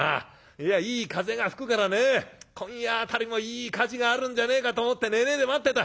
いやいい風が吹くからね今夜辺りもいい火事があるんじゃねえかと思って寝ねえで待ってた。